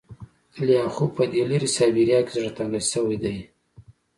لیاخوف په دې لیرې سایبریا کې زړه تنګی شوی دی